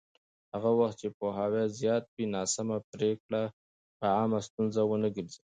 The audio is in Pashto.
هغه وخت چې پوهاوی زیات وي، ناسمه پرېکړه به عامه ستونزه ونه ګرځي.